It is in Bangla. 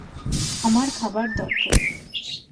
আমার খাবার দরকার।